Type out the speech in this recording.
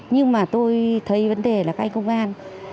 nhưng mà tôi thấy vấn đề là các anh công an